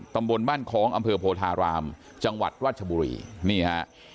ตำบลบ้านคล้องอำเภอโพธารามจังหวัดราชบุรีนี่ฮะ